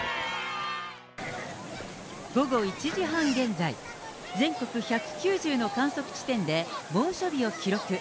午後１時半現在、全国１９０の観測地点で、猛暑日を記録。